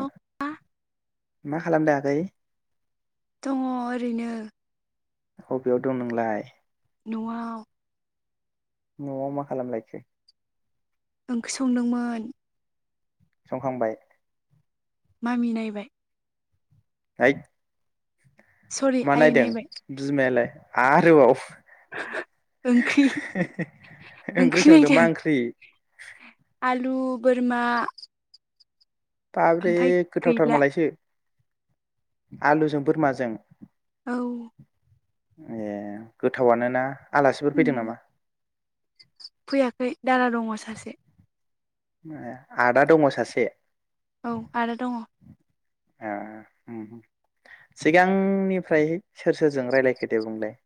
औ मा खालामदों आगै? दङ ओरैनो। अबेयाव दं नोंलाय? न आव। न'आव मा खालामलायखो ओंख्रि संदोंमोन। संखांबाय। मामि नायबाय। होइद। सरि मा आयै नायदों नायबाय बिमायालाय? आरोबाव ओंख्रि [unintelligible] ओंख्रि संदों मा ओंख्रि? आलु बोरमा बाबरे ओमफ्राय गोथावथार गैला मालायसो। आलुजों बोरमाजों। औ ए गोथावानो ना। आलासिफोर फैदों नामा? फैयाखै दादा दङ सासे आदा दङ सासे औ आदा दङ सिगांनिफ्राय सोर सोरजों रायलायखोदे बुंलाय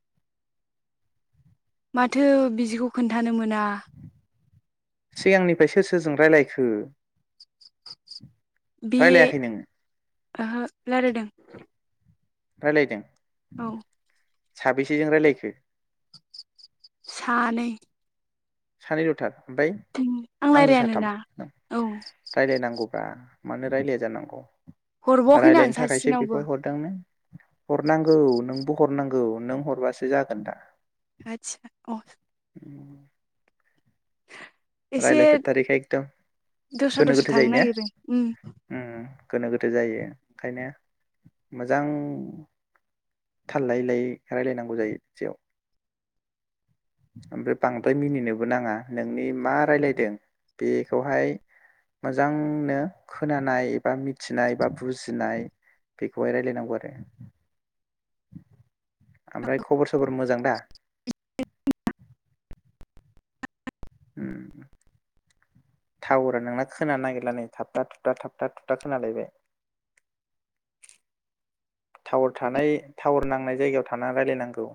माथो बिदिखौ खोन्थानो मोना सिगांनिफ्राय सोर सोरजों रायलायखो बे रायलायाखै नोङो ओहो रायलायदों रायलायदों औ साबेसेजों रायलायखो सानै सानै लथार ओमफ्राय आं आंजों साथाम रायलायानोना औ रायलायनांगौ मानो रायलाया जानांगौ हरबावाखैनो आं रायलायनो थाखायसो सासेनावबो बेखौहाय हरदोंनो हरनांगौ नोंबो हरनांगौ नों हरबासो जागोन दा आतसा औ एसे रायलायफेरथारैखाय एकदम दस्रा गोनो दस्रा गोथो थांनो जायो ने नागिरदों उम गोनो गोथो जायो ओंखायनो मोजां थाल लायै लायै रायलायनांगौ जायो बिदियाव ओमफ्राय बांद्राय मिनिनोबो नाङा नोंनि मा रायलायदों बेखौहाय मोजांनो खोनानाय एबा मिथिनाय बा बुजिनाय बेखौहाय रायलायनांगौ आरो [inaudible] ओमफ्राय खबर सबर मोजां दा टावारा नोंना खोनानो नागिरला नै थाबथा थुबथा थाबथा थुबथा खोनालायबाय टावार थानाय टावार नांनाय जायगायाव थाना रायलायनांगौ